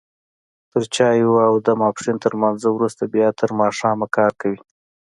تر چايو او د ماسپښين تر لمانځه وروسته بيا تر ماښامه کار کوي.